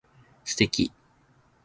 素敵